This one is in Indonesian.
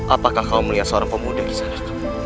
apakah kau melihat seorang pemuda kisah nak